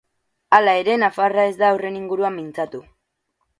Hala ere, nafarra ez da horren inguruan mintzatu.